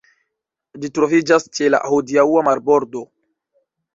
Ĝi troviĝas ĉe la hodiaŭa marbordo.